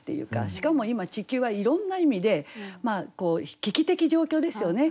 しかも今地球はいろんな意味で危機的状況ですよね。